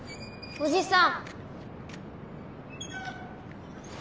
おじさん。